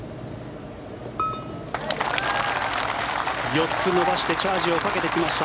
４つ伸ばしてチャージをかけてきました。